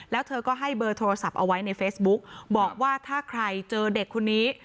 แล้วเธอก็ให้เบอร์โทรศัพท์เอาไว้ในเฟซบุ๊กบอกว่าถ้าใครเจอเด็กคนนี้